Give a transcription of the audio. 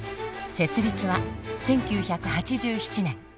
設立は１９８７年。